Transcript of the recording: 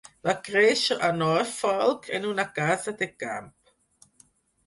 Va créixer a Norfolk, en una casa de camp.